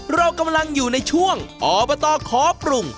เรากำลังอยู่ในช่วงอบตขอปรุง